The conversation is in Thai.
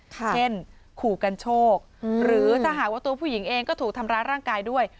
เช่นขู่กันโชคหรือถ้าหากว่าตัวผู้หญิงเองก็ถูกทำร้ายร่างกายด้วย